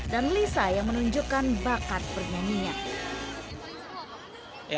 dan lisa yang menunjukkan bakat bernyanyinya